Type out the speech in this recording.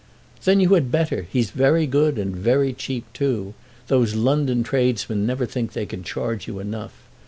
"Then you had better. He's very good and very cheap too. Those London tradesmen never think they can charge you enough.